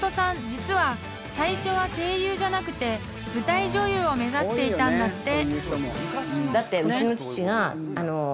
実は最初は声優じゃなくて舞台女優を目指していたんだって］